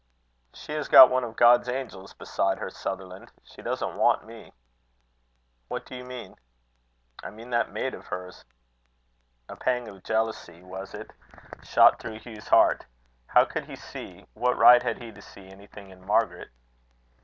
"She has got one of God's angels beside her, Sutherland. She doesn't want me." "What do you mean?" "I mean that maid of hers." A pang of jealousy, was it? shot through Hugh's heart. How could he see what right had he to see anything in Margaret?